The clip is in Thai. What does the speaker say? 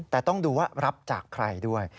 แต่ต้องดูว่ารับจากใครด้วย